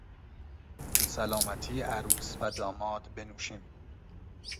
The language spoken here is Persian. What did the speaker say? بسلامتی عروس و داماد بنوشیم!